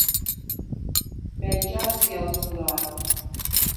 მა̈ჲ ჯა̄რ სი ალ ზურა̄ლ?